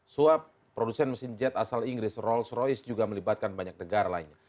suap produsen mesin jet asal inggris rolls royce juga melibatkan banyak negara lainnya